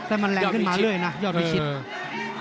แล้วมันแรงขึ้นมาเรื่อยนะยอดวิชิต